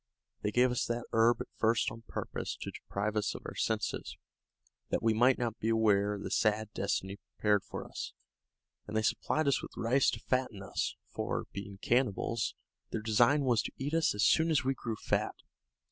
They gave us that herb at first on purpose to deprive us of our senses, that we might not be aware of the sad destiny prepared for us; and they supplied us with rice to fatten us; for, being cannibals, their design was to eat us as soon as we grew fat.